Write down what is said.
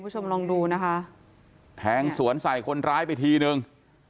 แทงสวนใส่คนร้ายไปทีหนึ่ง